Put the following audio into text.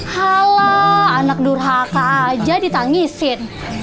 hala anak durhaka aja ditangisin